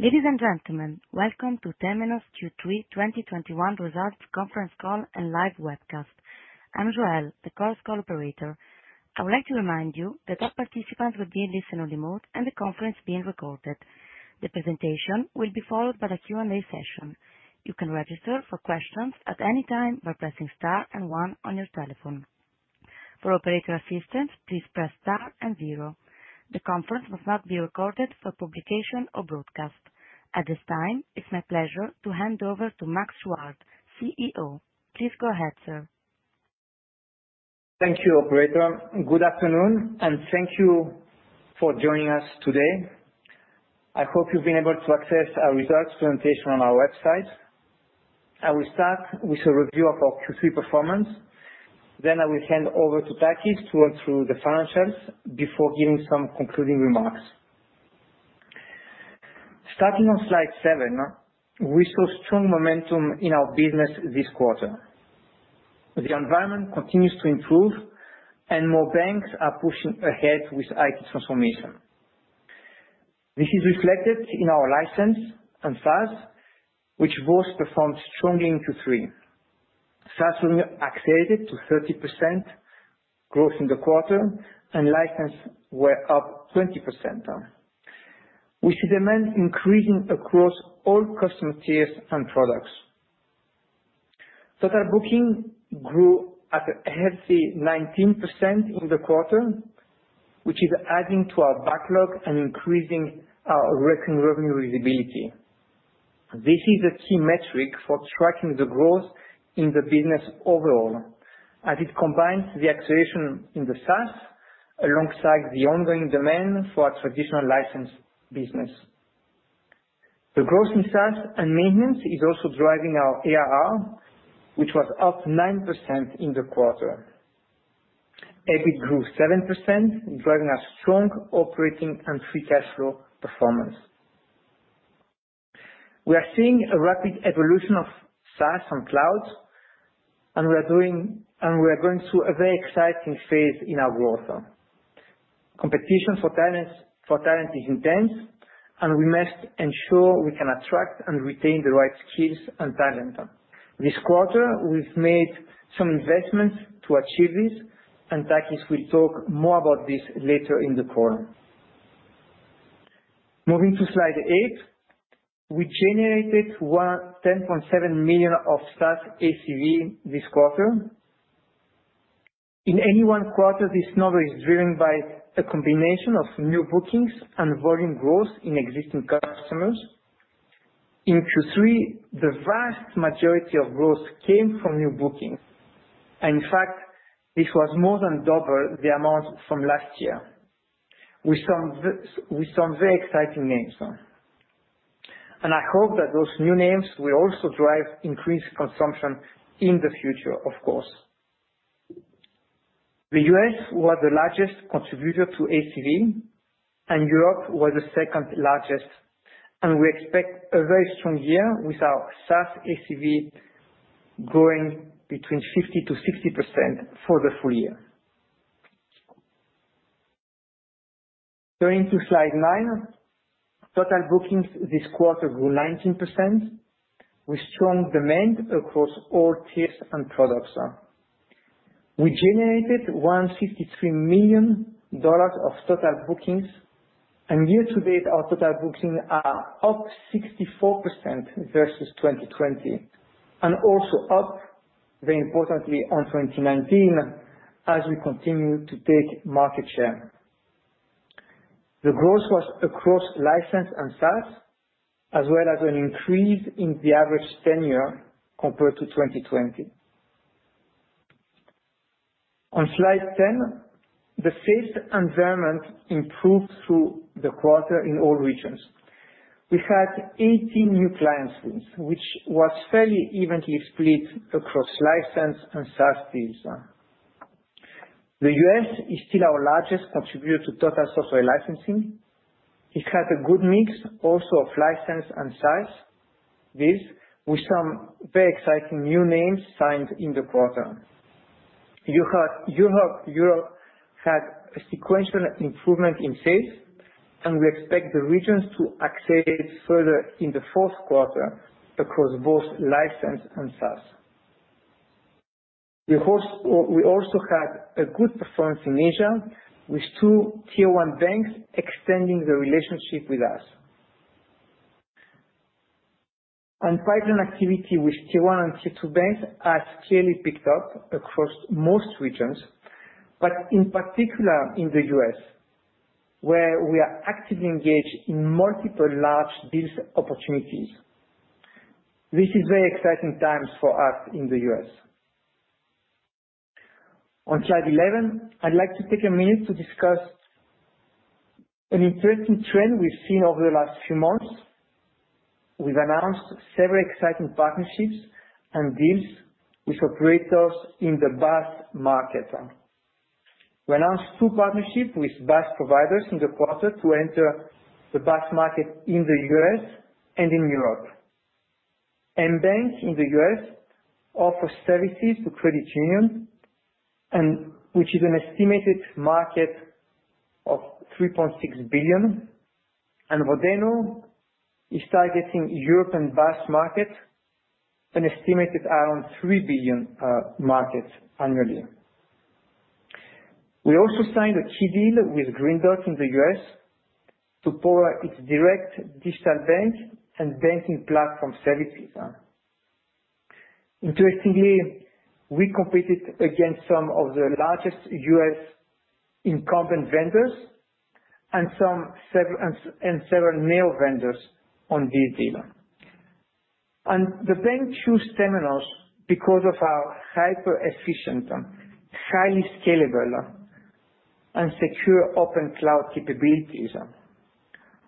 Ladies and gentlemen, welcome to Temenos Q3 2021 Results Conference Call and live webcast. I'm Joelle, the call's call operator. I would like to remind you that all participants will be in listen-only mode and the conference is being recorded. The presentation will be followed by a Q&A session. You can register for questions at any time by pressing star and one on your telephone. For operator assistance, please press star and zero. The conference must not be recorded for publication or broadcast. At this time, it's my pleasure to hand over to Max Chuard, CEO. Please go ahead, sir. Thank you, operator. Good afternoon, and thank you for joining us today. I hope you've been able to access our results presentation on our website. I will start with a review of our Q3 performance, then I will hand over to Takis to run through the financials before giving some concluding remarks. Starting on slide 7, we saw strong momentum in our business this quarter. The environment continues to improve, and more banks are pushing ahead with IT transformation. This is reflected in our license and SaaS, which both performed strongly in Q3. SaaS accelerated to 30% growth in the quarter, and license were up 20%. We see demand increasing across all custom tiers and products. Total booking grew at a healthy 19% in the quarter, which is adding to our backlog and increasing our recurring revenue visibility. This is a key metric for tracking the growth in the business overall, as it combines the acceleration in the SaaS alongside the ongoing demand for our traditional license business. The growth in SaaS and maintenance is also driving our ARR, which was up 9% in the quarter. EBIT grew 7%, driving a strong operating and free cash flow performance. We are seeing a rapid evolution of SaaS and cloud, and we are going through a very exciting phase in our growth. Competition for talent is intense, and we must ensure we can attract and retain the right skills and talent. This quarter, we've made some investments to achieve this, and Takis will talk more about this later in the call. Moving to slide 8. We generated $10.7 million of SaaS ACV this quarter. In any one quarter, this number is driven by a combination of new bookings and volume growth in existing customers. In Q3, the vast majority of growth came from new bookings. In fact, this was more than double the amount from last year with some very exciting names. I hope that those new names will also drive increased consumption in the future, of course. The U.S. was the largest contributor to ACV, and Europe was the second largest, and we expect a very strong year with our SaaS ACV growing between 50%-60% for the full year. Turning to slide 9. Total bookings this quarter grew 19%, with strong demand across all tiers and products. We generated $153 million of total bookings, and year-to-date our total bookings are up 64% versus 2020, and also up, very importantly, on 2019 as we continue to take market share. The growth was across license and SaaS, as well as an increase in the average tenure compared to 2020. On slide 10, the sales environment improved through the quarter in all regions. We had 18 new clients wins, which was fairly evenly split across license and SaaS deals. The U.S. is still our largest contributor to total software licensing. It had a good mix also of license and SaaS deals with some very exciting new names signed in the quarter. Europe had a sequential improvement in sales, and we expect the regions to accelerate further in the fourth quarter across both license and SaaS. We also had a good performance in Asia with two Tier 1 banks extending their relationship with us. Pipeline activity with Tier 1 and Tier 2 banks has clearly picked up across most regions, but in particular in the U.S., where we are actively engaged in multiple large deals opportunities. This is very exciting times for us in the U.S. On slide 11, I'd like to take a minute to discuss an interesting trend we've seen over the last few months. We've announced several exciting partnerships and deals with operators in the BaaS market. We announced two partnerships with BaaS providers in the quarter to enter the BaaS market in the U.S. and in Europe. Mbanq in the U.S. offer services to credit unions, which is an estimated market of $3.6 billion. Raidiam is targeting European BaaS market, an estimated around $3 billion markets annually. We also signed a key deal with Green Dot in the U.S. to power its direct digital bank and banking platform services. Interestingly, we competed against some of the largest U.S. incumbent vendors and several neo vendors on this deal. The bank choose Temenos because of our hyper-efficient, highly scalable, and secure open cloud capabilities.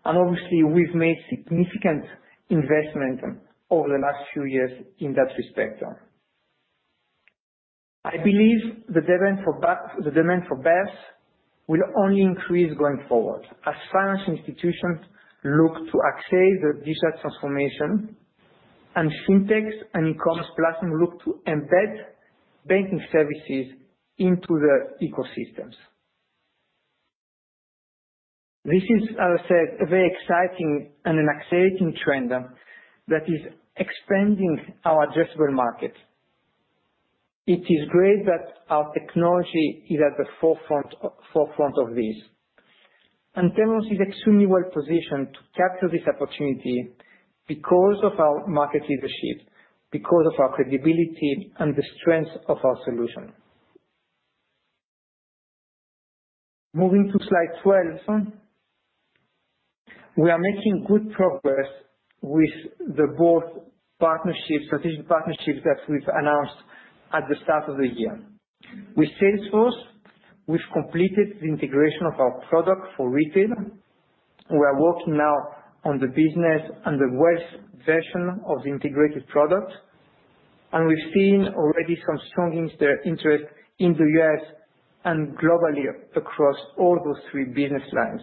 Obviously, we've made significant investment over the last few years in that respect. I believe the demand for BaaS will only increase going forward as finance institutions look to access the digital transformation, and fintechs and e-commerce platform look to embed banking services into the ecosystems. This is, as I said, a very exciting and accelerating trend that is expanding our addressable market. It is great that our technology is at the forefront of this. Temenos is extremely well-positioned to capture this opportunity because of our market leadership, because of our credibility, and the strength of our solution. Moving to slide 12. We are making good progress with both strategic partnerships that we've announced at the start of the year. With Salesforce, we've completed the integration of our product for retail. We are working now on the business and the wealth version of the integrated product, and we've seen already some strong interest in the U.S. and globally across all those three business lines.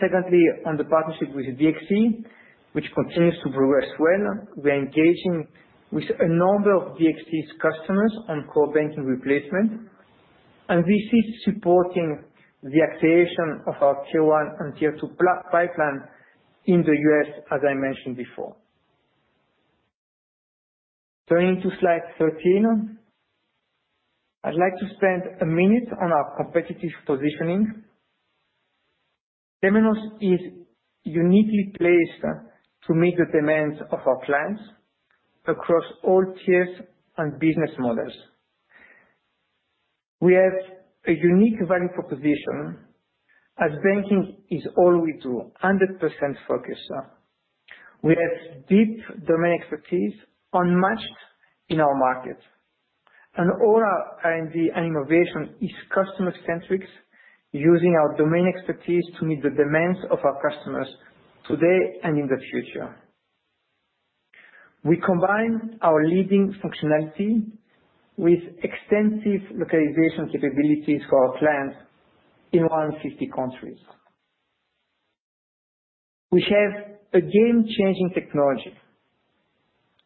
Secondly, on the partnership with DXC, which continues to progress well, we're engaging with a number of DXC's customers on core banking replacement, and this is supporting the acceleration of our Tier 1 and Tier 2 pipeline in the U.S., as I mentioned before. Turning to slide 13. I'd like to spend a minute on our competitive positioning. Temenos is uniquely placed to meet the demands of our clients across all tiers and business models. We have a unique value proposition as banking is all we do, 100% focus. We have deep domain expertise unmatched in our market. All our R&D and innovation is customer-centric, using our domain expertise to meet the demands of our customers today and in the future. We combine our leading functionality with extensive localization capabilities for our clients in 150 countries. We have a game-changing technology.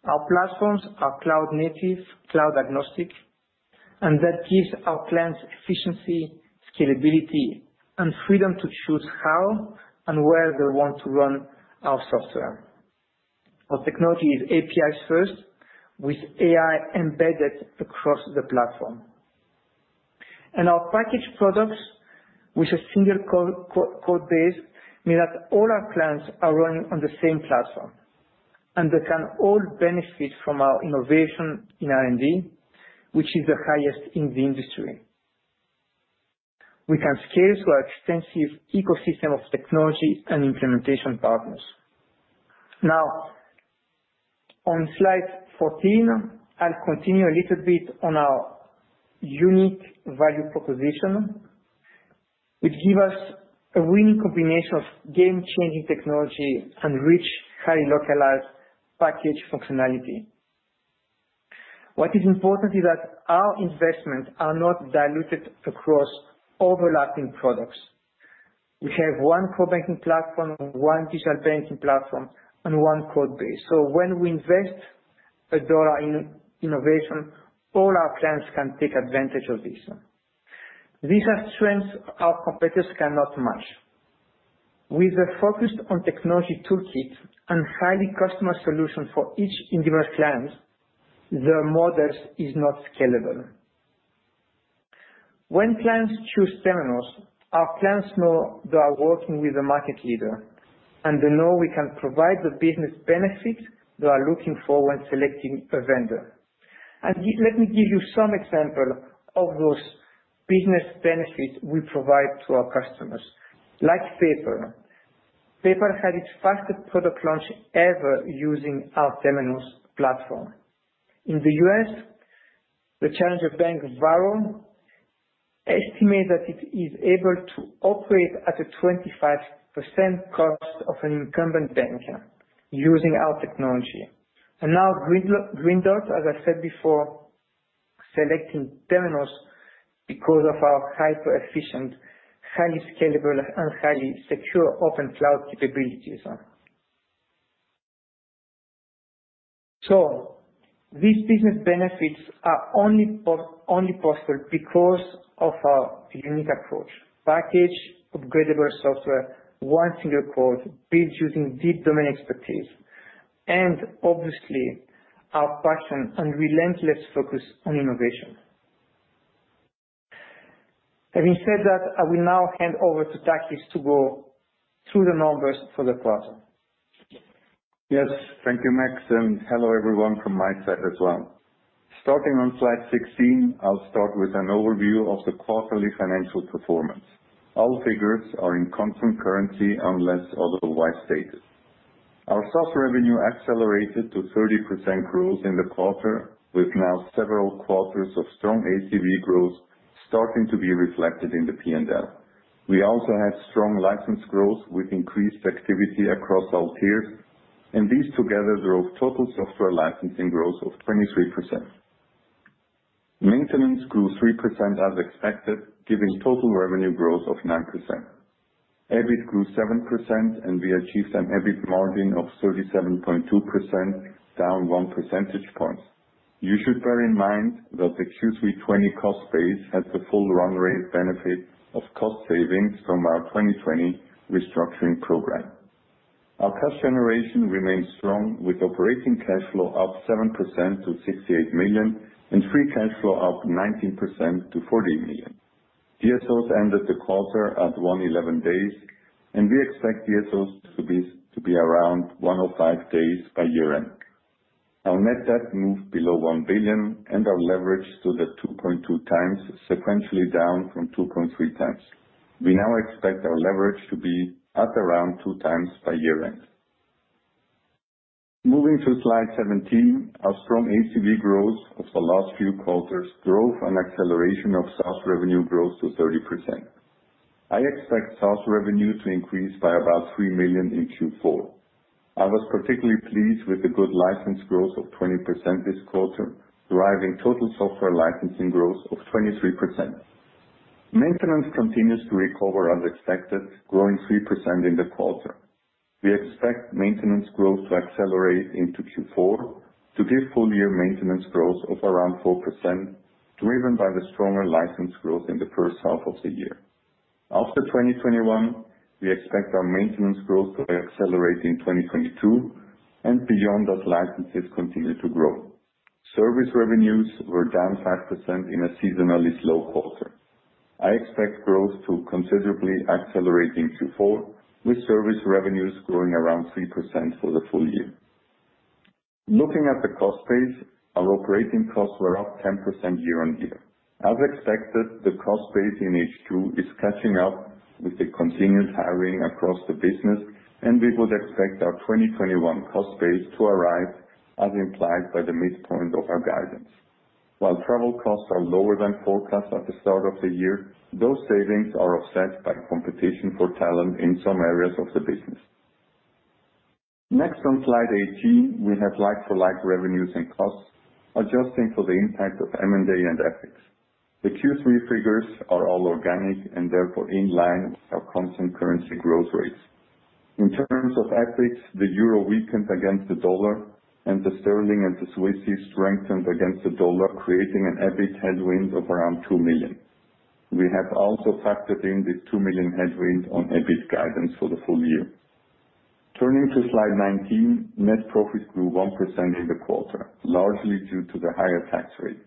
Our platforms are cloud-native, cloud agnostic, and that gives our clients efficiency, scalability, and freedom to choose how and where they want to run our software. Our technology is APIs first, with AI embedded across the platform. Our package products with a single code base mean that all our clients are running on the same platform. They can all benefit from our innovation in R&D, which is the highest in the industry. We can scale to our extensive ecosystem of technology and implementation partners. On slide 14, I'll continue a little bit on our unique value proposition, which give us a winning combination of game-changing technology and rich, highly localized package functionality. What is important is that our investments are not diluted across overlapping products. We have one core banking platform, one digital banking platform, and one code base. When we invest $1 in innovation, all our clients can take advantage of this. These are strengths our competitors cannot match. With a focused on technology toolkit and highly customized solution for each individual client, their model is not scalable. When clients choose Temenos, our clients know they are working with a market leader, they know we can provide the business benefits they are looking for when selecting a vendor. Let me give you some example of those business benefits we provide to our customers. Like PayPal. PayPal had its fastest product launch ever using our Temenos platform. In the U.S., the challenger bank Varo estimate that it is able to operate at a 25% cost of an incumbent bank using our technology. Now Green Dot, as I said before, selecting Temenos because of our hyper-efficient, highly scalable, and highly secure open cloud capabilities. These business benefits are only possible because of our unique approach: packaged, upgradeable software, one single code built using deep domain expertise, and obviously our passion and relentless focus on innovation. Having said that, I will now hand over to Takis to go through the numbers for the quarter. Yes. Thank you, Max. Hello everyone from my side as well. Starting on slide 16, I'll start with an overview of the quarterly financial performance. All figures are in constant currency unless otherwise stated. Our SaaS revenue accelerated to 30% growth in the quarter, with now several quarters of strong ACV growth starting to be reflected in the P&L. We also had strong license growth with increased activity across all tiers. These together drove total software licensing growth of 23%. Maintenance grew 3% as expected, giving total revenue growth of 9%. EBIT grew 7% and we achieved an EBIT margin of 37.2%, down 1 percentage point. You should bear in mind that the Q3 2020 cost base has the full run rate benefit of cost savings from our 2020 restructuring program. Our cash generation remains strong, with operating cash flow up 7% to $68 million and free cash flow up 19% to $40 million. DSOs ended the quarter at 111 days, and we expect DSOs to be around 105 days by year-end. Our net debt moved below $1 billion and our leverage stood at 2.2x, sequentially down from 2.3x. We now expect our leverage to be at around 2x by year-end. Moving to slide 17, our strong ACV growth of the last few quarters drove an acceleration of SaaS revenue growth to 30%. I expect SaaS revenue to increase by about $3 million in Q4. I was particularly pleased with the good license growth of 20% this quarter, driving total software licensing growth of 23%. Maintenance continues to recover as expected, growing 3% in the quarter. We expect maintenance growth to accelerate into Q4 to give full-year maintenance growth of around 4%, driven by the stronger license growth in the first half of the year. After 2021, we expect our maintenance growth to accelerate in 2022 and beyond as licenses continue to grow. Service revenues were down 5% in a seasonally slow quarter. I expect growth to considerably accelerate in Q4, with service revenues growing around 3% for the full year. Looking at the cost base, our operating costs were up 10% year-on-year. As expected, the cost base in H2 is catching up with the continued hiring across the business. We would expect our 2021 cost base to arrive as implied by the midpoint of our guidance. While travel costs are lower than forecast at the start of the year, those savings are offset by competition for talent in some areas of the business. Next on slide 18, we have like-for-like revenues and costs, adjusting for the impact of M&A and FX. The Q3 figures are all organic and therefore in line with our constant currency growth rates. In terms of FX, the euro weakened against the dollar, and the GBP and the CHF strengthened against the dollar, creating an EBIT headwind of around $2 million. We have also factored in this $2 million headwind on EBIT guidance for the full year. Turning to slide 19, net profits grew 1% in the quarter, largely due to the higher tax rate.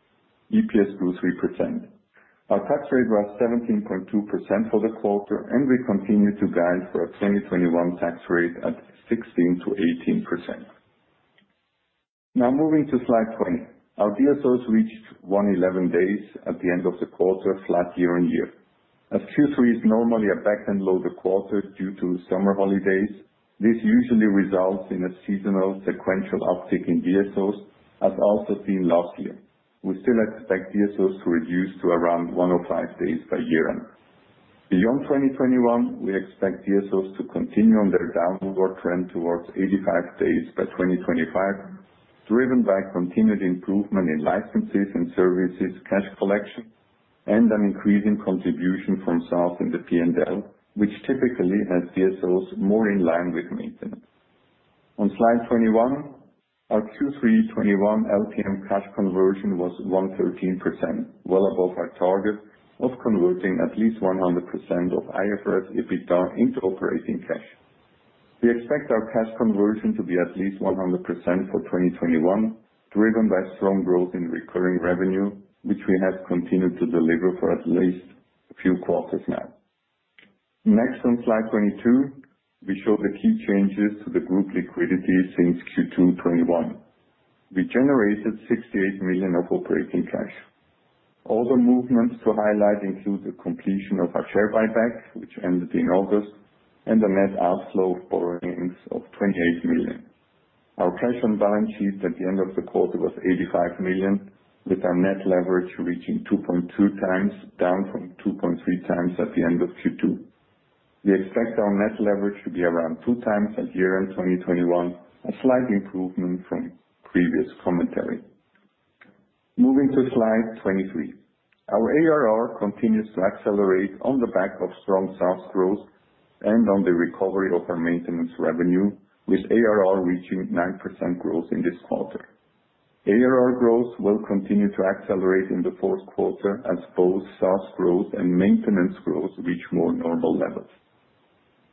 EPS grew 3%. Our tax rate was 17.2% for the quarter, and we continue to guide for a 2021 tax rate at 16%-18%. Now moving to slide 20. Our DSOs reached 111 days at the end of the quarter, flat year on year. As Q3 is normally a back-end loaded quarter due to summer holidays, this usually results in a seasonal sequential uptick in DSOs as also seen last year. We still expect DSOs to reduce to around 105 days by year-end. Beyond 2021, we expect DSOs to continue on their downward trend towards 85 days by 2025, driven by continued improvement in licenses and services cash collection, and an increasing contribution from SaaS in the P&L, which typically has DSOs more in line with maintenance. On slide 21, our Q3 2021 LTM cash conversion was 113%, well above our target of converting at least 100% of IFRS EBITDA into operating cash. We expect our cash conversion to be at least 100% for 2021, driven by strong growth in recurring revenue, which we have continued to deliver for at least a few quarters now. On slide 22, we show the key changes to the group liquidity since Q2 2021. We generated $68 million of operating cash. Other movements to highlight include the completion of our share buyback, which ended in August, and a net outflow of borrowings of $28 million. Our cash on the balance sheet at the end of the quarter was $85 million, with our net leverage reaching 2.2x, down from 2.3x at the end of Q2. We expect our net leverage to be around 2x at year-end 2021, a slight improvement from previous commentary. Moving to slide 23. Our ARR continues to accelerate on the back of strong SaaS growth and on the recovery of our maintenance revenue, with ARR reaching 9% growth in this quarter. ARR growth will continue to accelerate in the fourth quarter as both SaaS growth and maintenance growth reach more normal levels.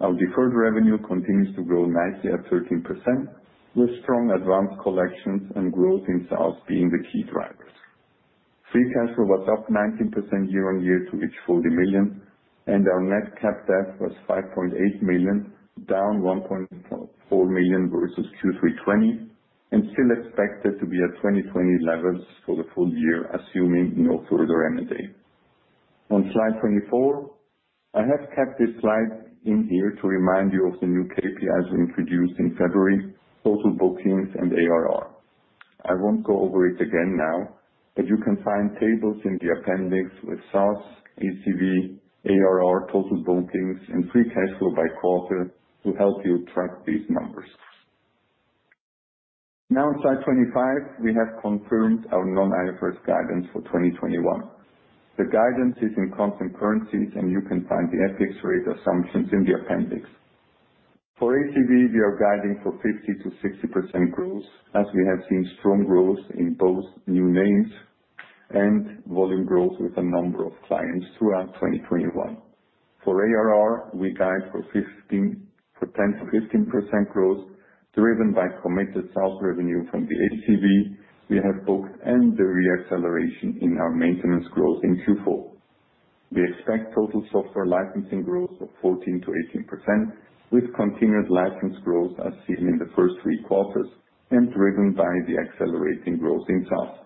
Our deferred revenue continues to grow nicely at 13%, with strong advanced collections and growth in SaaS being the key drivers. Free cash flow was up 19% year-on-year to reach $40 million, and our net cap debt was $5.8 million, down $1.4 million versus Q3 2020, and still expected to be at 2020 levels for the full year, assuming no further M&A. On slide 24, I have kept this slide in here to remind you of the new KPIs we introduced in February, total bookings and ARR. I won't go over it again now, but you can find tables in the appendix with SaaS, ACV, ARR, total bookings, and free cash flow by quarter to help you track these numbers. Now slide 25, we have confirmed our non-IFRS guidance for 2021. The guidance is in constant currencies, and you can find the FX rate assumptions in the appendix. For ACV, we are guiding for 50%-60% growth, as we have seen strong growth in both new names and volume growth with a number of clients throughout 2021. For ARR, we guide for 10%-15% growth driven by committed SaaS revenue from the ACV we have booked and the re-acceleration in our maintenance growth in Q4. We expect total software licensing growth of 14%-18%, with continued license growth as seen in the first three quarters and driven by the accelerating growth in SaaS.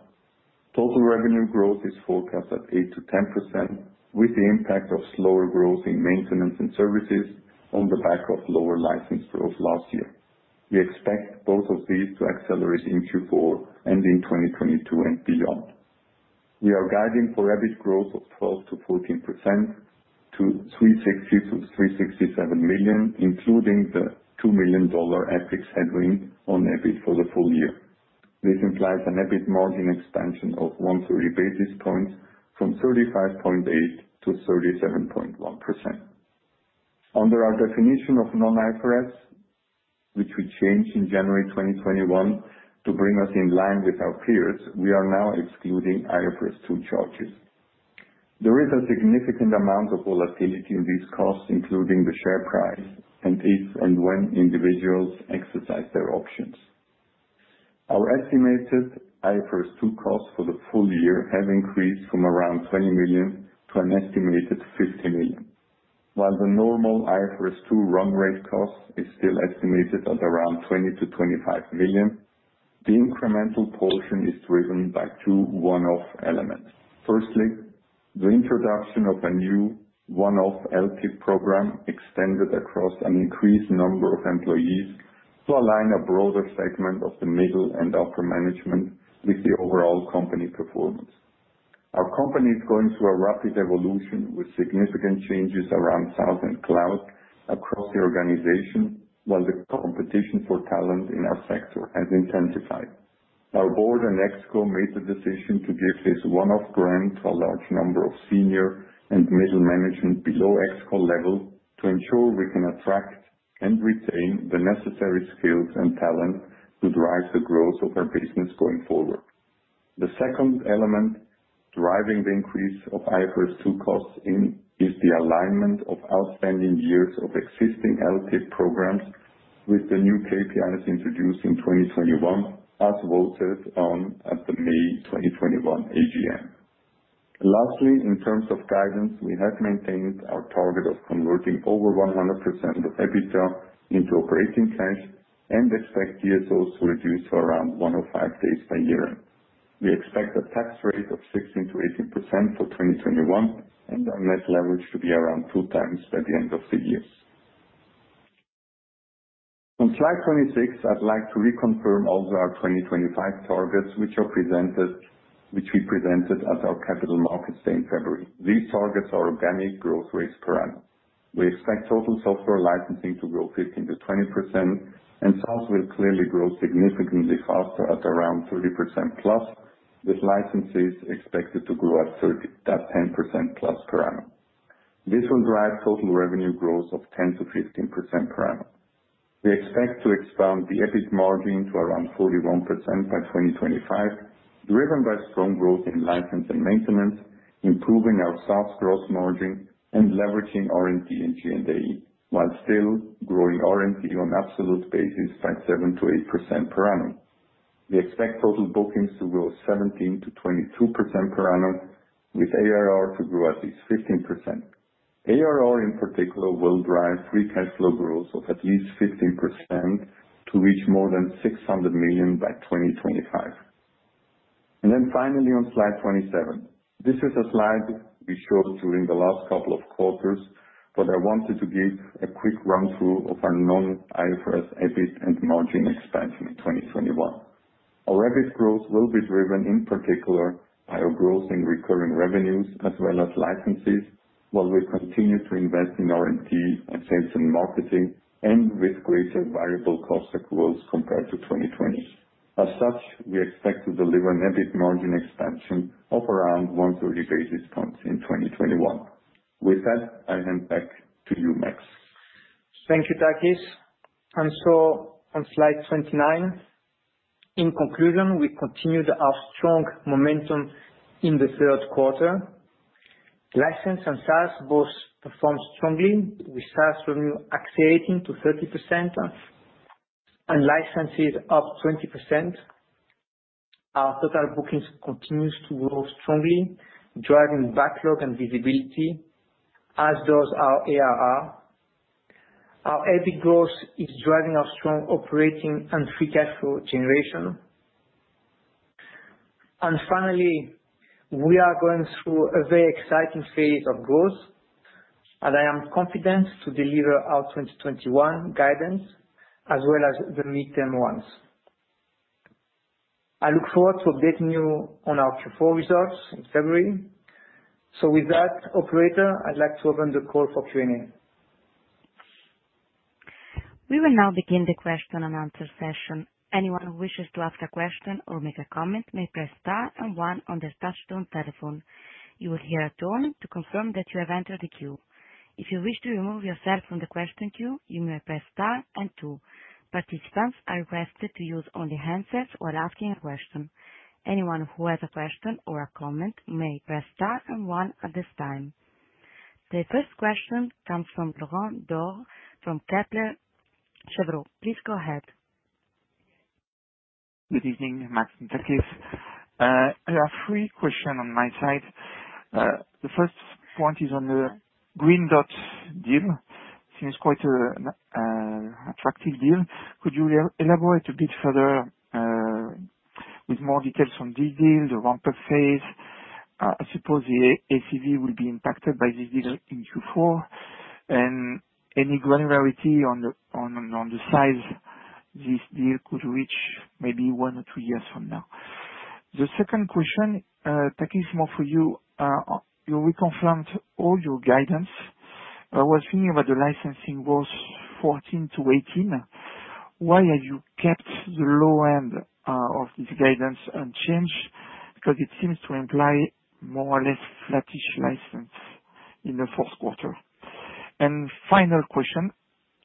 Total revenue growth is forecast at 8%-10%, with the impact of slower growth in maintenance and services on the back of lower license growth last year. We expect both of these to accelerate in Q4 and in 2022 and beyond. We are guiding for EBIT growth of 12%-14% to $360 million-$367 million, including the $2 million FX headwind on EBIT for the full year. This implies an EBIT margin expansion of 1-3 basis points from 35.8%-37.1%. Under our definition of non-IFRS, which we changed in January 2021 to bring us in line with our peers, we are now excluding IFRS 2 charges. There is a significant amount of volatility in these costs, including the share price, and if and when individuals exercise their options. Our estimated IFRS 2 costs for the full year have increased from around $20 million to an estimated $50 million. While the normal IFRS 2 run rate cost is still estimated at around $20 million-$25 million, the incremental portion is driven by two one-off elements. Firstly, the introduction of a new one-off LTIP program extended across an increased number of employees to align a broader segment of the middle and upper management with the overall company performance. Our company is going through a rapid evolution with significant changes around SaaS and cloud across the organization, while the competition for talent in our sector has intensified. Our board and ExCo made the decision to give this one-off grant to a large number of senior and middle management below ExCo level to ensure we can attract and retain the necessary skills and talent to drive the growth of our business going forward. The second element driving the increase of IFRS 2 costs is the alignment of outstanding years of existing LTIP programs with the new KPIs introduced in 2021 as voted on at the May 2021 AGM. Lastly, in terms of guidance, we have maintained our target of converting over 100% of EBITDA into operating cash and expect DSOs to reduce to around 105 days by year-end. We expect a tax rate of 16%-18% for 2021 and our net leverage to be around 2x by the end of the year. On slide 26, I'd like to reconfirm also our 2025 targets which we presented at our Capital Markets Day in February. These targets are organic growth rates per annum. We expect total software licensing to grow 15%-20%, SaaS will clearly grow significantly faster at around 30%+, with licenses expected to grow at 10%+ per annum. This will drive total revenue growth of 10%-15% per annum. We expect to expand the EBIT margin to around 41% by 2025, driven by strong growth in license and maintenance, improving our SaaS gross margin, leveraging R&D and G&A, while still growing R&D on absolute basis by 7%-8% per annum. We expect total bookings to grow 17%-22% per annum, with ARR to grow at least 15%. ARR in particular will drive free cash flow growth of at least 15% to reach more than $600 million by 2025. Finally on slide 27. This is a slide we showed during the last couple of quarters, but I wanted to give a quick run-through of our non-IFRS EBIT and margin expansion in 2021. Our revenue growth will be driven, in particular, by our growth in recurring revenues as well as licenses, while we continue to invest in R&D and sales and marketing, and with greater variable cost growth compared to 2020. As such, we expect to deliver an EBIT margin expansion of around 130 basis points in 2021. With that, I hand back to you, Max. Thank you, Takis. On slide 29, in conclusion, we continued our strong momentum in the third quarter. License and SaaS both performed strongly, with SaaS revenue accelerating to 30% and licenses up 20%. Our total bookings continues to grow strongly, driving backlog and visibility, as does our ARR. Our EBIT growth is driving our strong operating and free cash flow generation. Finally, we are going through a very exciting phase of growth, and I am confident to deliver our 2021 guidance as well as the mid-term ones. I look forward to updating you on our Q4 results in February. With that, operator, I'd like to open the call for Q&A. We will now begin the question and answer session. Anyone who wishes to ask a question or make a comment may press star and one on their touch-tone telephone. You will hear a tone to confirm that you have entered the queue. If you wish to remove yourself from the question queue, you may press star and two. Participants are requested to use only handsets while asking a question. Anyone who has a question or a comment may press star and one at this time. The first question comes from Laurent Daure from Kepler Cheuvreux. Please go ahead. Good evening, Max and Takis. I have three question on my side. The first point is on the Green Dot deal. Seems quite an attractive deal. Could you elaborate a bit further, with more details on this deal, the ramp-up phase? I suppose the ACV will be impacted by this deal in Q4. Any granularity on the size this deal could reach maybe one or two years from now? The second question, Takis, more for you. You reconfirmed all your guidance. I was thinking about the licensing was 14-18. Why have you kept the low end of this guidance unchanged? It seems to imply more or less flattish license in the fourth quarter. Final question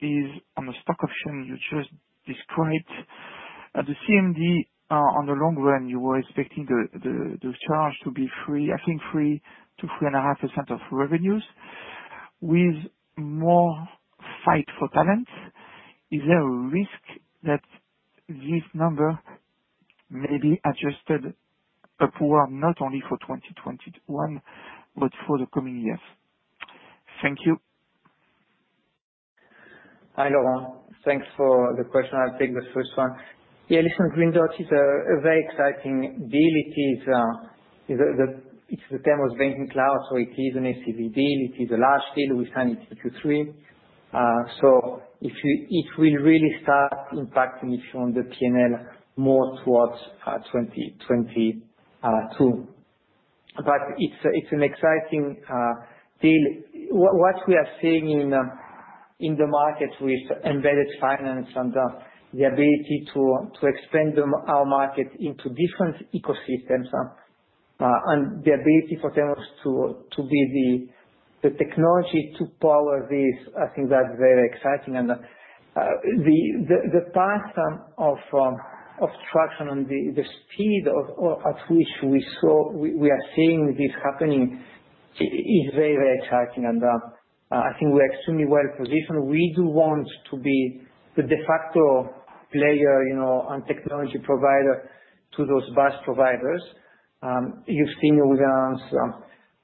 is on the stock option you just described. At the CMD, on the long run, you were expecting the charge to be, I think, 3%-3.5% of revenues. With more fight for talents, is there a risk that this number may be adjusted upward, not only for 2021, but for the coming years? Thank you. Hi, Laurent. Thanks for the question. I'll take the first one. Yeah, listen, Green Dot is a very exciting deal. It's the Temenos Banking Cloud, so it is an ACV deal. It is a large deal. We signed it Q3. It will really start impacting, if on the P&L, more towards 2022. It's an exciting deal. What we are seeing in the market with embedded finance and the ability to expand our market into different ecosystems, and the ability for Temenos to be the technology to power this, I think that's very exciting. The pattern of traction and the speed at which we are seeing this happening is very exciting. I think we're extremely well-positioned. We do want to be the de facto player and technology provider to those BaaS providers. You've seen with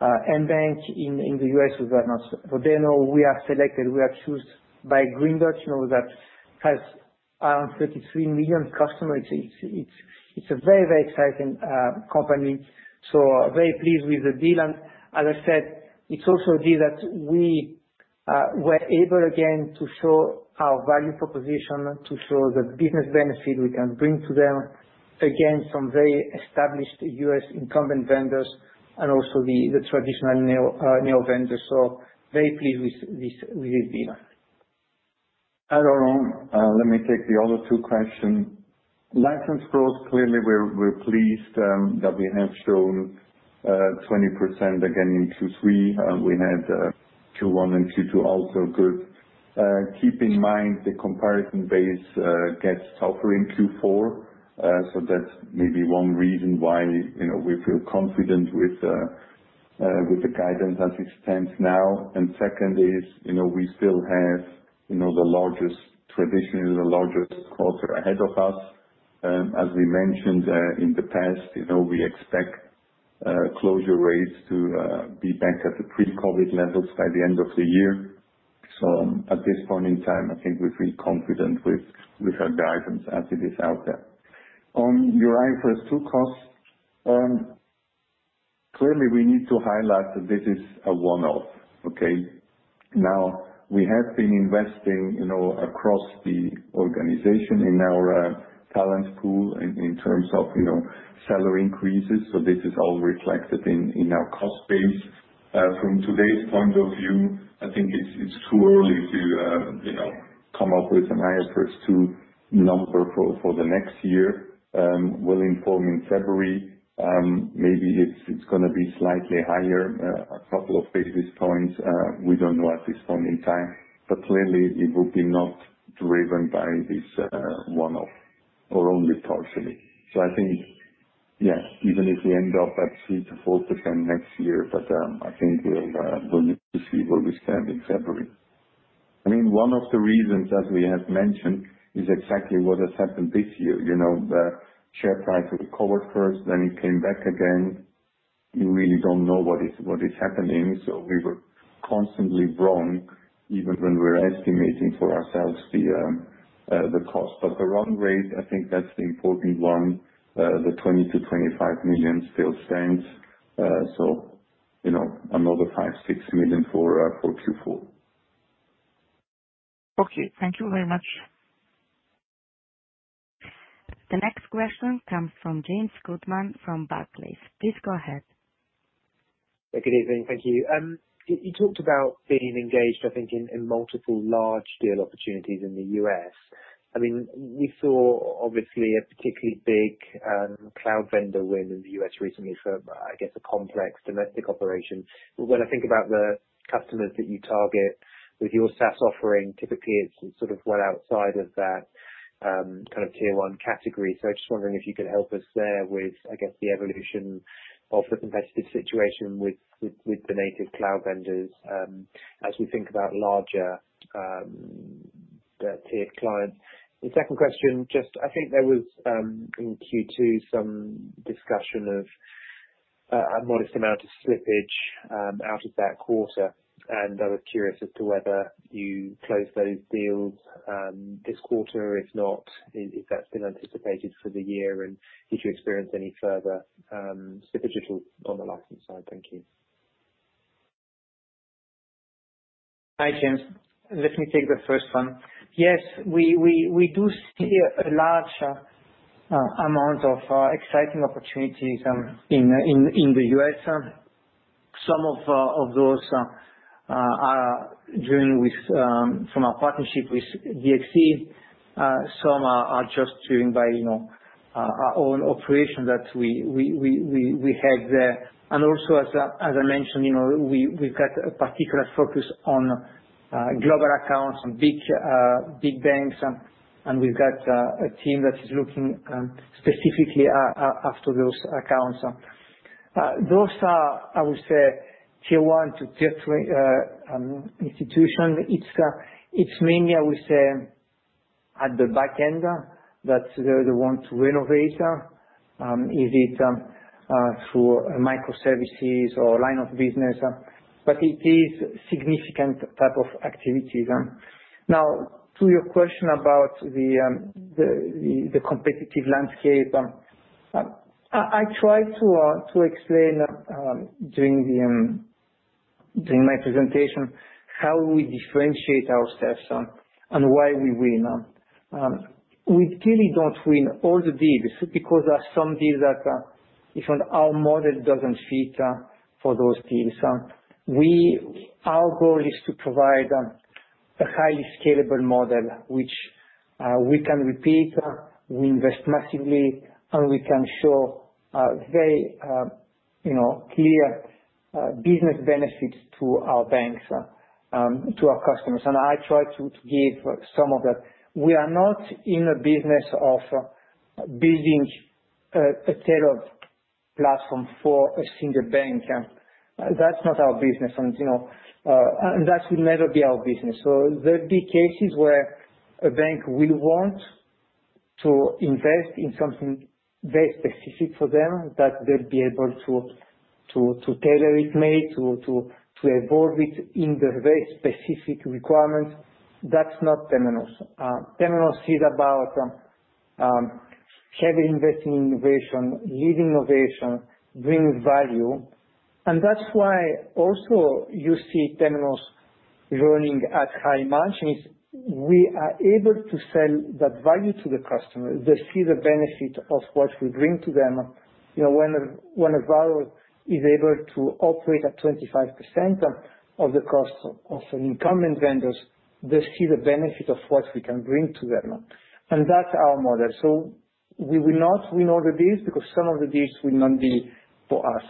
NBank in the U.S. with Raidiam, we are selected. We are chosen by Green Dot that has around 33 million customers. It's a very exciting company. Very pleased with the deal. As I said, it's also a deal that we were able, again, to show our value proposition, to show the business benefit we can bring to them, again, some very established U.S. incumbent vendors and also the traditional neo vendors. Very pleased with this deal. Hi, Laurent. Let me take the other two questions. License growth, clearly, we're pleased that we have shown 20% again in Q3. We had Q1 and Q2 also good. Keep in mind, the comparison base gets tougher in Q4, that's maybe one reason why we feel confident with the guidance as it stands now. Second is, we still have traditionally the largest quarter ahead of us. As we mentioned, in the past, we expect closure rates to be back at the pre-COVID levels by the end of the year. At this point in time, I think we feel confident with our guidance as it is out there. On your IFRS 2 costs, clearly, we need to highlight that this is a one-off. Now, we have been investing across the organization in our talent pool in terms of salary increases. This is all reflected in our cost base. From today's point of view, I think it's too early to come up with an IFRS 2 number for the next year. We'll inform in February. Maybe it's going to be slightly higher, a couple of basis points. We don't know at this point in time, clearly it will be not driven by this one-off or only partially. I think, yes, even if we end up at 3%-4% next year. I think we'll need to see where we stand in February. One of the reasons, as we have mentioned, is exactly what has happened this year. The share price recovered first, it came back again. You really don't know what is happening. We were constantly wrong, even when we're estimating for ourselves the cost. The run rate, I think that's the important one. The $20 million-$25 million still stands. Another $5 million, $6 million for Q4. Okay. Thank you very much. The next question comes from James Goodman from Barclays. Please go ahead. Good evening. Thank you. You talked about being engaged, I think, in multiple large deal opportunities in the U.S. We saw, obviously, a particularly big cloud vendor win in the U.S. recently for, I guess, a complex domestic operation. But when I think about the customers that you target with your SaaS offering, typically it's sort of well outside of that kind of Tier 1 category. So I was just wondering if you could help us there with, I guess, the evolution of the competitive situation with the native cloud vendors as we think about larger tier clients. The second question, I think there was, in Q2, some discussion of a modest amount of slippage out of that quarter, and I was curious as to whether you closed those deals this quarter or if not, if that's been anticipated for the year and if you experienced any further slippage at all on the license side. Thank you. Hi, James. Let me take the first one. Yes. We do see a large amount of exciting opportunities in the U.S. Some of those are driven from our partnership with DXC. Some are just driven by our own operation that we have there. Also, as I mentioned, we've got a particular focus on global accounts and big banks, and we've got a team that is looking specifically after those accounts. Those are, I would say, Tier 1 to Tier 3 institutions. It's mainly, I would say, at the back end that they want to renovate. Is it through microservices or line of business? It is significant type of activities. Now, to your question about the competitive landscape. I tried to explain during my presentation how we differentiate ourselves and why we win. We clearly don't win all the deals because there are some deals that even our model doesn't fit for those deals. Our goal is to provide a highly scalable model, which we can repeat, we invest massively, and we can show very clear business benefits to our banks, to our customers, and I try to give some of that. We are not in a business of building a tailored platform for a single bank. That's not our business, and that will never be our business. There'll be cases where a bank will want to invest in something very specific for them that they'll be able to tailor it made, to evolve it in their very specific requirements. That's not Temenos. Temenos is about heavy investing in innovation. Lead innovation, bring value. That's why also you see Temenos running at high margins. We are able to sell that value to the customer. They see the benefit of what we bring to them. When a value is able to operate at 25% of the cost of an incumbent vendor, they see the benefit of what we can bring to them. That's our model. We will not win all the deals because some of the deals will not be for us.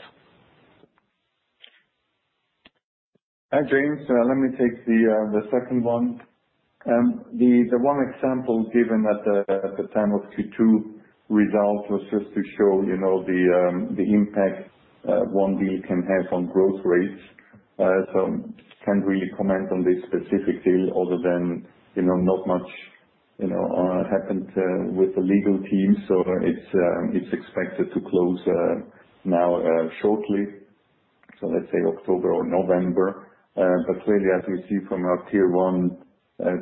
Hi, James. Let me take the second one. The one example given at the time of Q2 results was just to show the impact one deal can have on growth rates. Can't really comment on this specific deal other than not much happened with the legal team. It's expected to close now shortly. Let's say October or November. Clearly, as you see from our Tier 1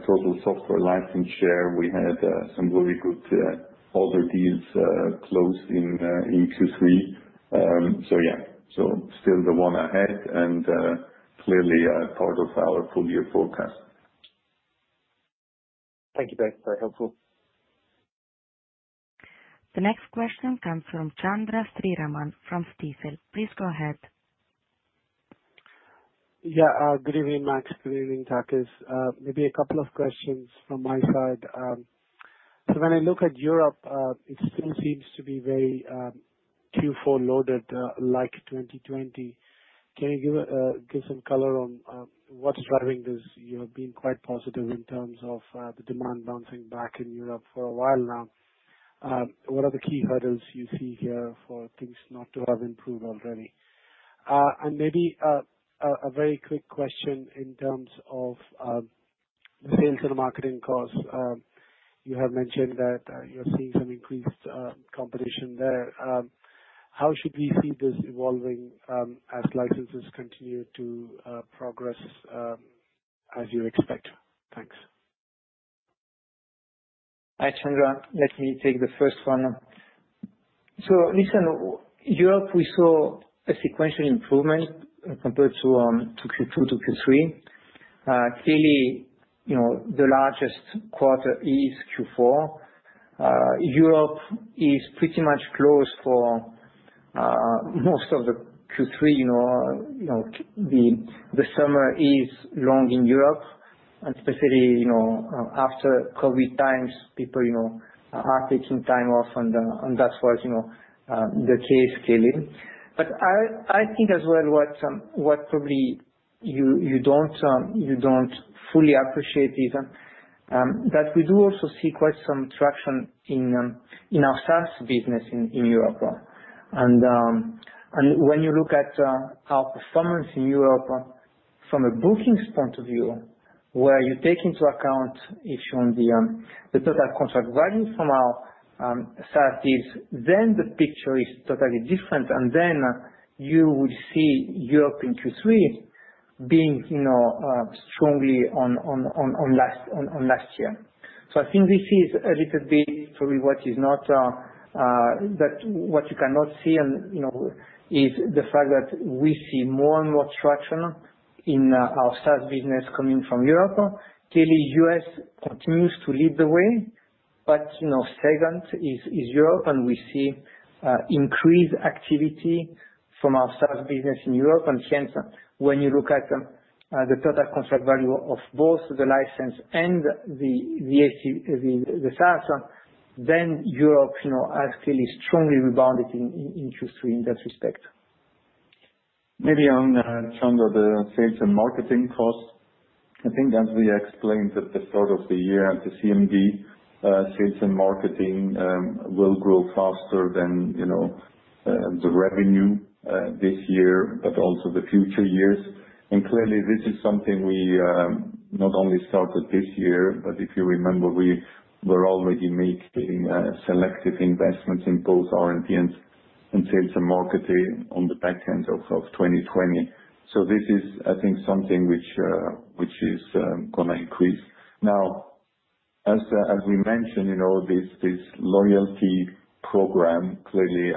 total software license share, we had some very good other deals closed in Q3. Yeah, still the one ahead and clearly part of our full year forecast. Thank you, guys. Very helpful. The next question comes from Chandra Sriraman from Stifel. Please go ahead. Good evening, Max. Good evening, Takis. Maybe a couple of questions from my side. When I look at Europe, it still seems to be very Q4 loaded, like 2020. Can you give some color on what's driving this? You have been quite positive in terms of the demand bouncing back in Europe for a while now. What are the key hurdles you see here for things not to have improved already? Maybe a very quick question in terms of the sales and marketing costs. You have mentioned that you're seeing some increased competition there. How should we see this evolving as licenses continue to progress as you expect? Thanks. Hi, Chandra. Let me take the first one. Listen, Europe, we saw a sequential improvement compared to Q2, Q3. Clearly, the largest quarter is Q4. Europe is pretty much closed for most of the Q3. The summer is long in Europe, and especially, after COVID times, people are taking time off and that was the case clearly. I think as well what probably you don't fully appreciate is that we do also see quite some traction in our SaaS business in Europe. When you look at our performance in Europe from a bookings point of view, where you take into account if on the total contract value from our SaaS deals, then the picture is totally different and then you will see Europe in Q3 being strongly on last year. I think this is a little bit probably what you cannot see, and is the fact that we see more and more traction in our SaaS business coming from Europe. Clearly, U.S. continues to lead the way, but second is Europe, and we see increased activity from our SaaS business in Europe. When you look at the total contract value of both the license and the SaaS, then Europe has clearly strongly rebounded in Q3 in that respect. Maybe on, Chandra, the sales and marketing costs. I think as we explained at the start of the year at the CMD, sales and marketing will grow faster than the revenue this year, but also the future years. Clearly this is something we not only started this year, but if you remember, we were already making selective investments in both R&D and sales and marketing on the back end of 2020. This is, I think, something which is going to increase. Now, as we mentioned, this loyalty program clearly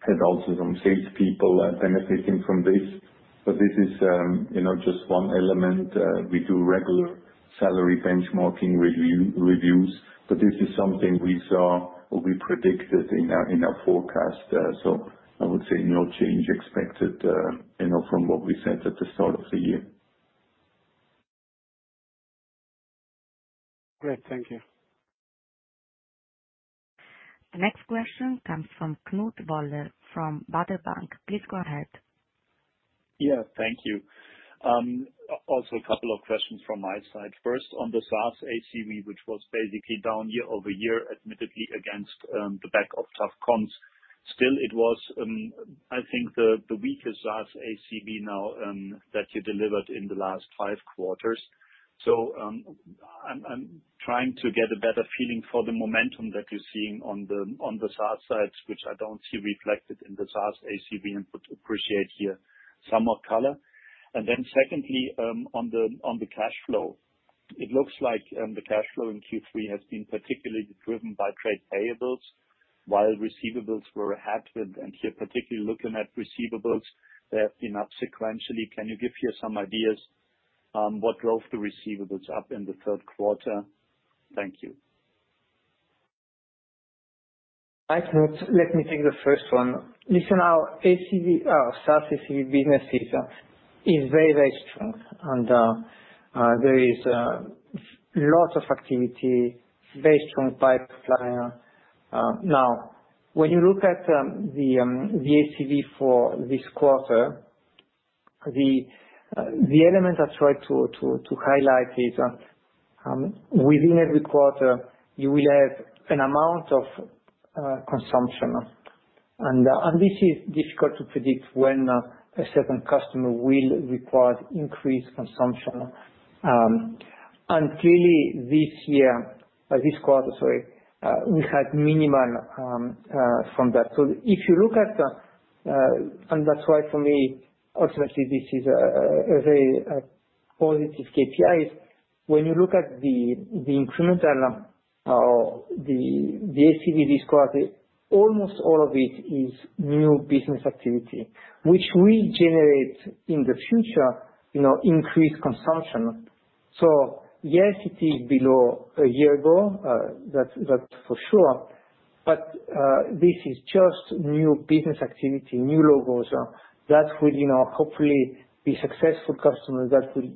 has also some salespeople benefiting from this. This is just one element. We do regular salary benchmarking reviews, this is something we saw or we predicted in our forecast. I would say no change expected from what we said at the start of the year. Great. Thank you. The next question comes from Knut Woller from Baader Bank. Please go ahead. Yeah. Thank you. Also a couple of questions from my side. First on the SaaS ACV, which was basically down year-over-year, admittedly against the back of tough comps. Still it was, I think the weakest SaaS ACV now that you delivered in the last five quarters. I'm trying to get a better feeling for the momentum that you're seeing on the SaaS side, which I don't see reflected in the SaaS ACV input. Appreciate here some more color. Secondly, on the cash flow. It looks like the cash flow in Q3 has been particularly driven by trade payables while receivables were matched. Here, particularly looking at receivables, they have been up sequentially. Can you give here some ideas on what drove the receivables up in the third quarter? Thank you. Hi, Knut. Let me take the first one. Listen, our SaaS ACV businesses is very strong and there is lots of activity, very strong pipeline. When you look at the ACV for this quarter, the element I try to highlight is, within every quarter you will have an amount of consumption. This is difficult to predict when a certain customer will require increased consumption. Clearly this quarter, we had minimal from that. That's why for me, ultimately this is a very positive KPI. When you look at the incremental or the ACV this quarter, almost all of it is new business activity, which will generate, in the future, increased consumption. Yes, it is below a year ago, that's for sure. This is just new business activity, new logos that will hopefully be successful customers that will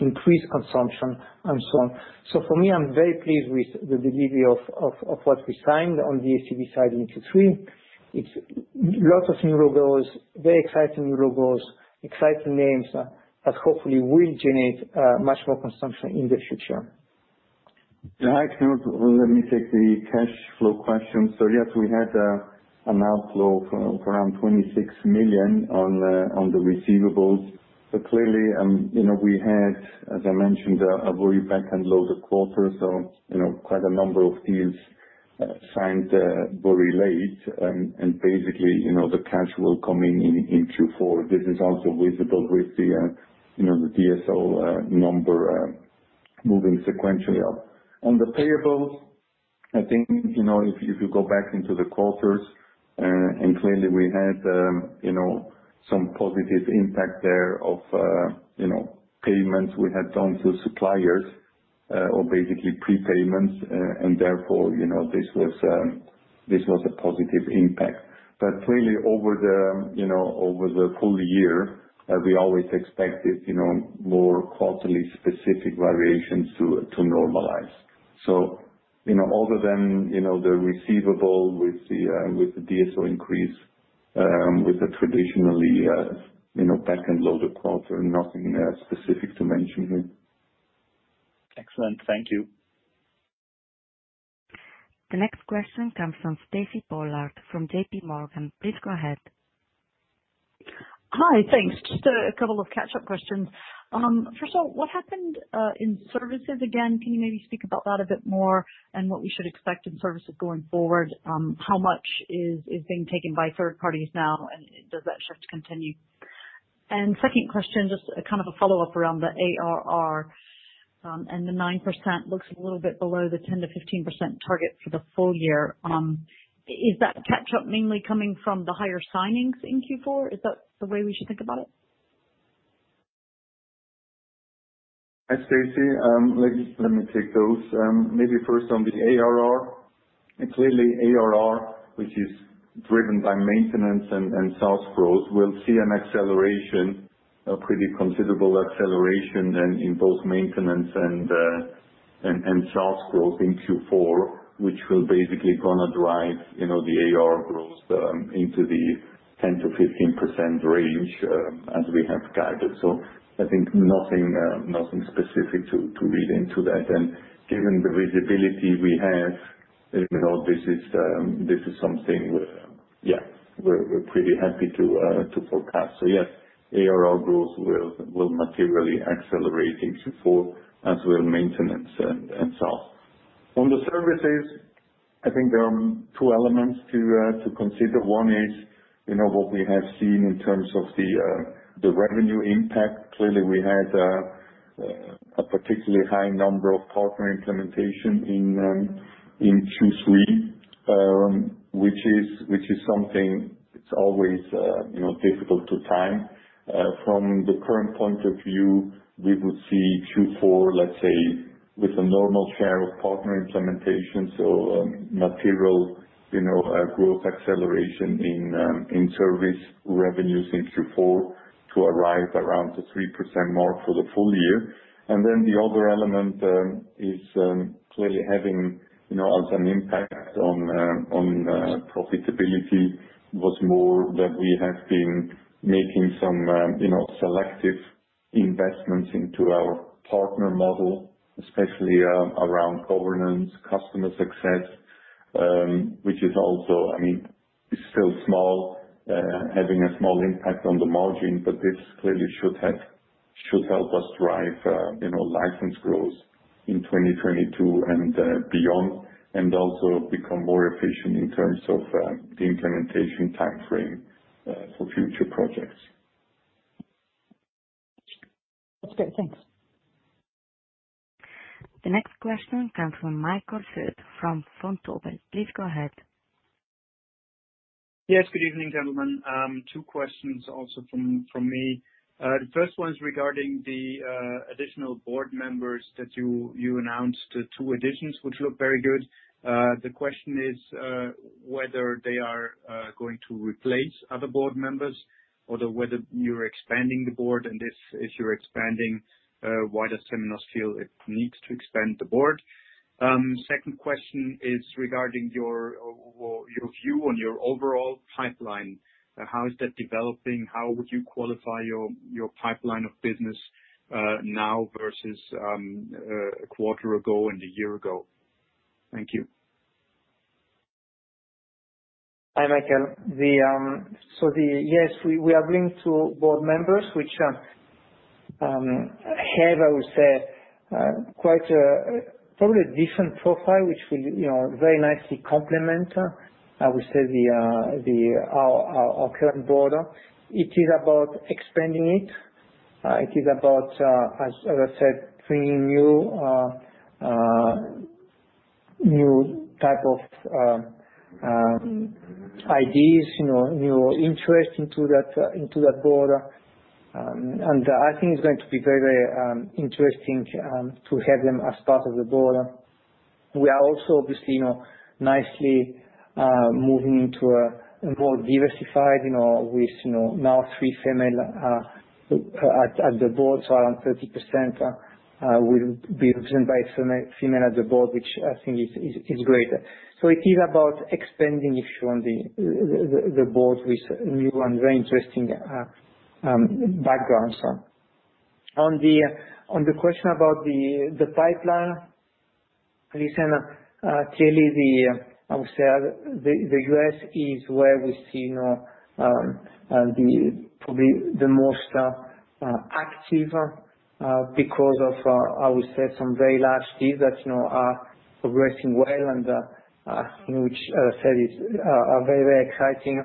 increase consumption and so on. For me, I'm very pleased with the delivery of what we signed on the ACV side in Q3. It's lots of new logos, very exciting new logos, exciting names that hopefully will generate much more consumption in the future. Hi, Knut. Let me take the cash flow question. Yes, we had an outflow of around $26 million on the receivables. Clearly, we had, as I mentioned, a very back-end load quarter. Quite a number of deals signed very late. Basically, the cash will come in Q4. This is also visible with the DSO number moving sequentially up. On the payables, I think, if you go back into the quarters, clearly we had some positive impact there of payments we had done to suppliers, or basically prepayments. Therefore, this was a positive impact. Clearly over the full year, we always expected more quarterly-specific variations to normalize. Other than the receivable with the DSO increase, with the traditionally back-end load quarter, nothing specific to mention here. Excellent. Thank you. The next question comes from Stacy Pollard from JPMorgan. Please go ahead. Hi. Thanks. Just a couple of catch-up questions. First of all, what happened in services again? Can you maybe speak about that a bit more and what we should expect in services going forward? How much is being taken by third parties now, and does that shift continue? Second question, just a follow-up around the ARR. The 9% looks a little bit below the 10%-15% target for the full year. Is that catch-up mainly coming from the higher signings in Q4? Is that the way we should think about it? Hi, Stacy. Let me take those. Maybe first on the ARR. Clearly ARR, which is driven by maintenance and sales growth, will see a pretty considerable acceleration then in both maintenance and sales growth in Q4, which will basically going to drive the ARR growth into the 10%-15% range, as we have guided. I think nothing specific to read into that. Given the visibility we have, this is something we're pretty happy to forecast. Yes, ARR growth will materially accelerate in Q4, as will maintenance and itself. On the services, I think there are two elements to consider. One is what we have seen in terms of the revenue impact. Clearly, we had a particularly high number of partner implementation in Q3, which is something that's always difficult to time. From the current point of view, we would see Q4, let's say, with a normal share of partner implementation. Material growth acceleration in service revenues in Q4 to arrive around the 3% mark for the full year. The other element is clearly having as an impact on profitability, was more that we have been making some selective investments into our partner model, especially around governance, customer success, which is still small, having a small impact on the margin, but this clearly should help us drive license growth in 2022 and beyond, and also become more efficient in terms of the implementation timeframe for future projects. That's great. Thanks. The next question comes from Michael Foeth from Vontobel. Please go ahead. Yes. Good evening, gentlemen. Two questions also from me. The first one is regarding the additional board members that you announced, the two additions, which look very good. The question is whether they are going to replace other board members or whether you're expanding the board. If you're expanding, why does Temenos feel it needs to expand the board? Second question is regarding your view on your overall pipeline. How is that developing? How would you qualify your pipeline of business now versus a quarter ago and a year ago? Thank you. Hi, Michael. We are bringing two board members, which have, I would say, quite probably a different profile, which will very nicely complement, I would say our current board. It is about expanding it. It is about, as I said, bringing new type of ideas, new interest into that board. I think it's going to be very interesting to have them as part of the board. We are also obviously nicely moving into a more diversified with now three female at the board. Around 30% will be represented by female at the board, which I think is great. It is about expanding, if you want, the board with new and very interesting backgrounds. On the question about the pipeline, clearly the, I would say, the U.S. is where we see now probably the most active, because of, I would say, some very large deals that are progressing well and which I would say is very exciting.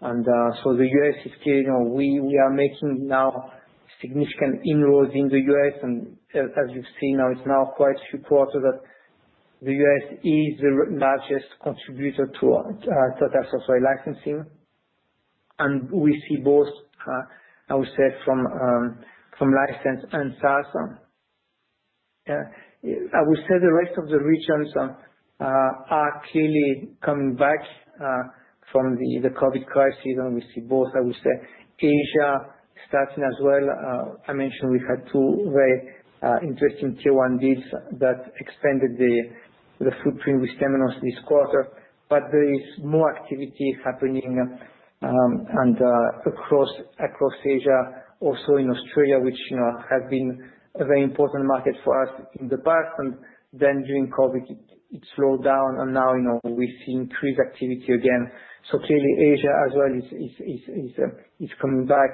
The U.S., we are making now significant inroads in the U.S. and as you've seen, it's now quite a few quarters that the U.S. is the largest contributor to our software licensing. We see both, I would say from license and SaaS. I would say the rest of the regions are clearly coming back from the COVID crisis. We see both, I would say Asia starting as well. I mentioned we had two very interesting Tier 1 deals that expanded the footprint with Temenos this quarter. There is more activity happening across Asia, also in Australia, which have been a very important market for us in the past. During COVID it slowed down and now we see increased activity again. Clearly Asia as well is coming back.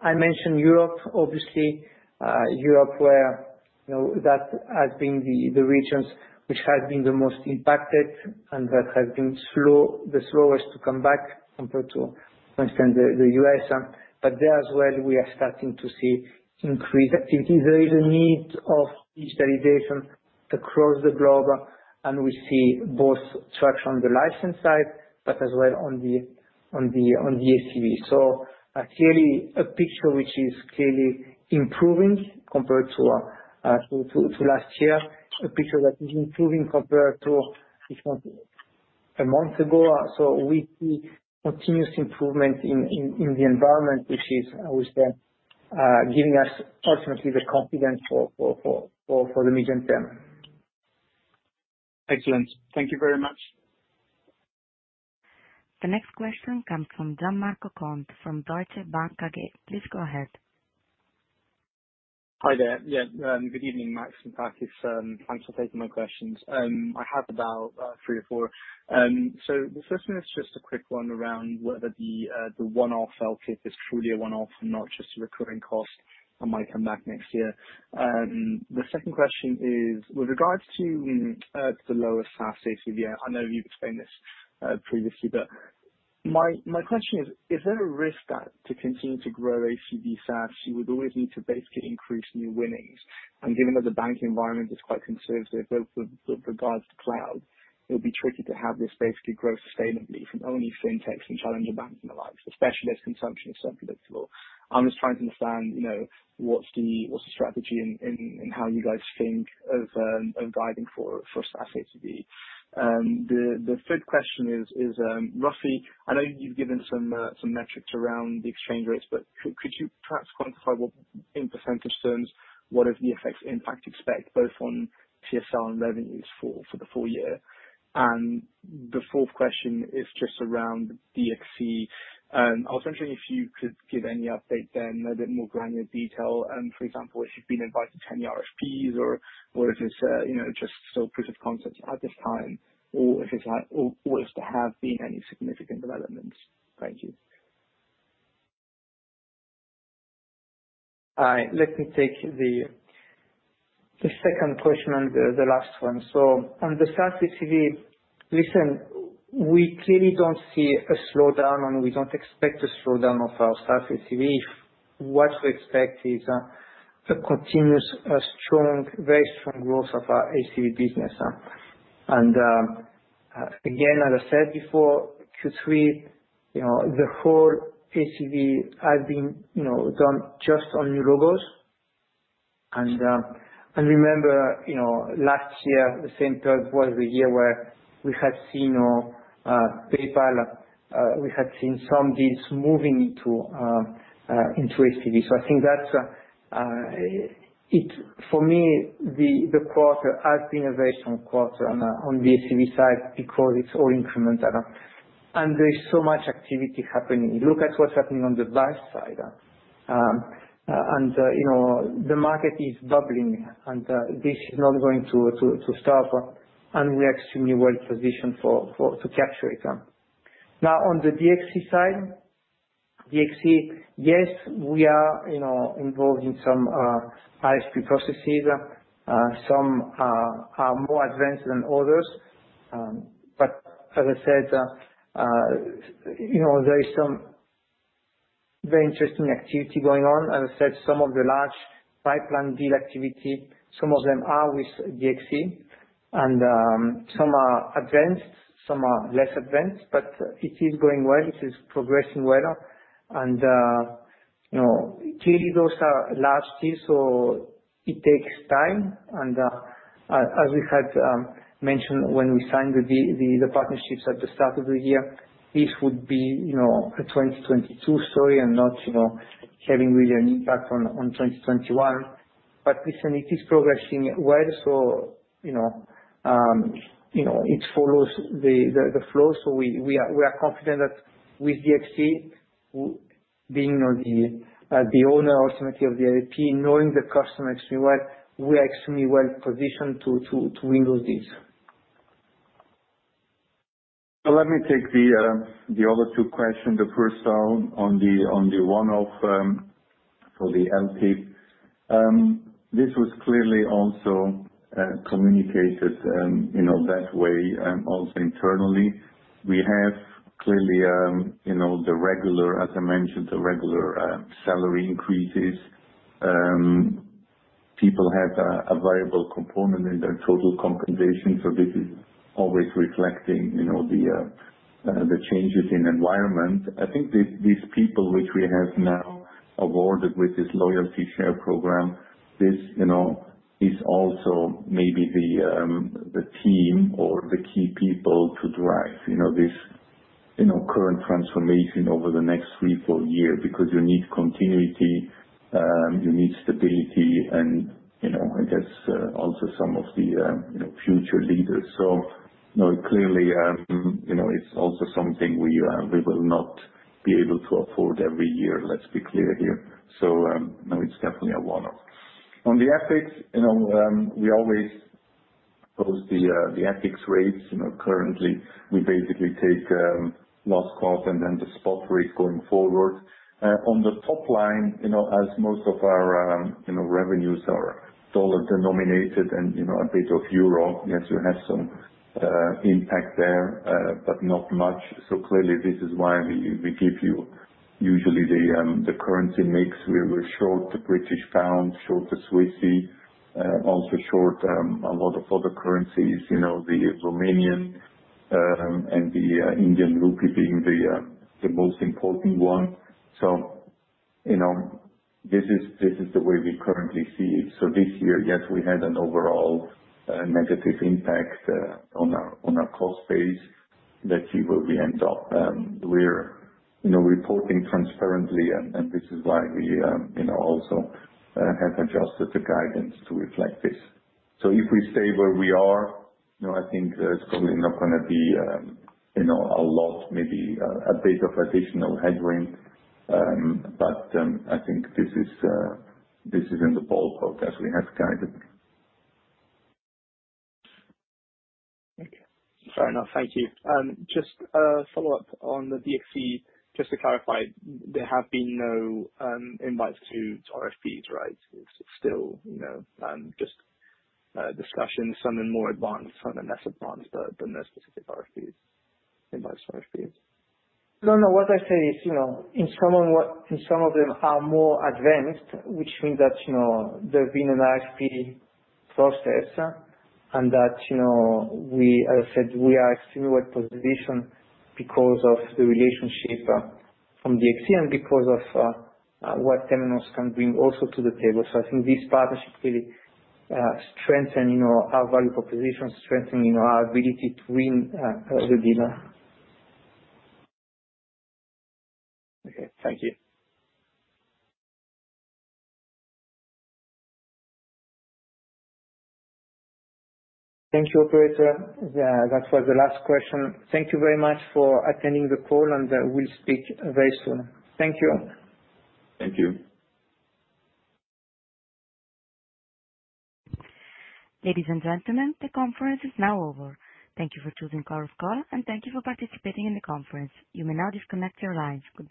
I mentioned Europe, obviously. Europe that has been the regions which have been the most impacted and that has been the slowest to come back compared to, for instance, the U.S. There as well, we are starting to see increased activity. There is a need of edge validation across the globe, and we see both traction on the license side, but as well on the ACV. Clearly a picture which is clearly improving compared to last year, a picture that is improving compared to a month ago. We see continuous improvement in the environment, which is, I would say giving us ultimately the confidence for the medium term. Excellent. Thank you very much. The next question comes from Gianmarco Conti from Deutsche Bank AG. Please go ahead. Hi there. Good evening, Max and Takis. Thanks for taking my questions. I have about three or four. The first one is just a quick one around whether the one-off felt if it's truly a one-off and not just a recurring cost that might come back next year. The second question is with regards to the lower SaaS ACV. I know you've explained this previously, my question is there a risk that to continue to grow ACV SaaS, you would always need to basically increase new winnings? Given that the banking environment is quite conservative with regards to cloud, it would be tricky to have this basically grow sustainably from only FinTechs and challenger banks, especially as consumption is so predictable. I'm just trying to understand, what's the strategy and how you guys think of guiding for SaaS ACV. The third question is, roughly, I know you've given some metrics around the exchange rates, but could you perhaps quantify what, in percentage terms, what is the FX impact expect both on TSL and revenues for the full year? The fourth question is just around the DXC. I was wondering if you could give any update there in a bit more granular detail. For example, if you've been invited to any RFPs or if it's just still proof of concept at this time or if there have been any significant developments. Thank you. Let me take the second question and the last one. On the SaaS ACV, listen, we clearly don't see a slowdown and we don't expect a slowdown of our SaaS ACV. What we expect is a continuous very strong growth of our ACV business. Again, as I said before, Q3, the whole ACV has been done just on renewals. Remember, last year, the same third quarter, the year where we had seen PayPal, we had seen some deals moving into ACV. I think that for me, the quarter has been a very strong quarter on the ACV side because it's all incremental. There is so much activity happening. Look at what's happening on the buy side. The market is bubbling, and this is not going to stop, and we are extremely well-positioned to capture it. On the DXC side. DXC, yes, we are involved in some ISP processes. Some are more advanced than others. As I said, there is some very interesting activity going on. As I said, some of the large pipeline deal activity, some of them are with DXC, and some are advanced, some are less advanced, but it is going well. It is progressing well. Clearly, those are large deals, so it takes time. As we had mentioned when we signed the partnerships at the start of the year, this would be a 2022 story and not having really an impact on 2021. Listen, it is progressing well, so it follows the flow. We are confident that with DXC being the owner ultimately of the IP, knowing the customer extremely well, we're extremely well-positioned to win those deals. Let me take the other two questions. The first one on the one-off for the LP. This was clearly also communicated that way also internally. We have clearly, as I mentioned, the regular salary increases. People have a variable component in their total compensation. This is always reflecting the changes in environment. I think these people which we have now awarded with this loyalty share program, this is also maybe the team or the key people to drive this current transformation over the next three, four years, because you need continuity, you need stability and I guess, also some of the future leaders. Clearly, it's also something we will not be able to afford every year. Let's be clear here. No, it's definitely a one-off. On the FX, we always post the FX rates. Currently, we basically take last call and then the spot rate going forward. On the top line, as most of our revenues are dollar-denominated and a bit of euro, yes, you have some impact there, but not much. Clearly, this is why we give you usually the currency mix. We were short the GBP, short the CHF, also short a lot of other currencies, the RON, and the INR being the most important one. This is the way we currently see it. This year, yes, we had an overall negative impact on our cost base that you will be ending up. We're reporting transparently, and this is why we also have adjusted the guidance to reflect this. If we stay where we are, I think it's probably not going to be a lot, maybe a bit of additional headwind. I think this is in the ballpark as we have guided. Okay. Fair enough. Thank you. Just a follow-up on the DXC, just to clarify, there have been no invites to RFPs, right? It is still just discussions, some are more advanced, some are less advanced, but no specific invites to RFPs. No, no, what I say is, in some of them are more advanced, which means that there's been an RFP process. As I said, we are extremely well-positioned because of the relationship from DXC and because of what Temenos can bring also to the table. I think this partnership really strengthen our value proposition, strengthen our ability to win the deal. Okay. Thank you. Thank you, operator. Yeah, that was the last question. Thank you very much for attending the call, and we will speak very soon. Thank you. Thank you. Ladies and gentlemen, the conference is now over. Thank you for choosing Chorus Call, and thank you for participating in the conference. You may now disconnect your lines. Goodbye.